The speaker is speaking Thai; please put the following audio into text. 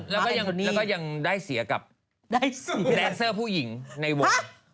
แล้วก็ยังได้เสียกับแดนเซอร์ผู้หญิงในวง